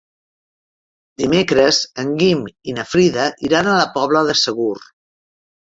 Dimecres en Guim i na Frida iran a la Pobla de Segur.